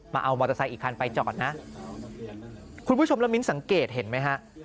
มาเอามอเตอร์ไซค์อีกคันไปจอดนะคุณผู้ชมละมิ้นสังเกตเห็นไหมฮะ